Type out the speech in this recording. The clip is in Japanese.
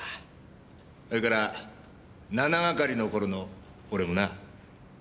それから７係の頃の俺もな。